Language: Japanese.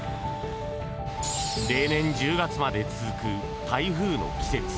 例年１０月まで続く台風の季節。